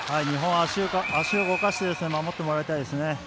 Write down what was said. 日本、足を動かして守ってもらいたいですね。